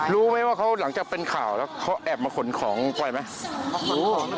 รู้ไหมว่าเขาหลังจากเป็นข่าวแล้วเขาแอบมาขนของปล่อยไหม